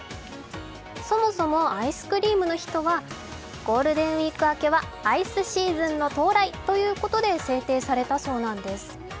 そもそもアイスクリームの日とは、ゴールデンウイーク明けはアイスシーズンの到来ということで制定されたそうなんです。